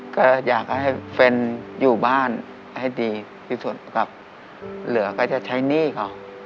ก็อยากให้แฟนอยู่บ้านให้ดีที่สุดครับเหลือก็จะใช้หนี้เขา